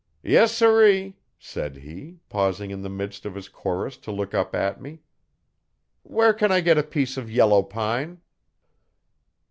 Yes siree,' said he, pausing in the midst of his chorus to look up at me. 'Where can I get a piece of yellow pine?'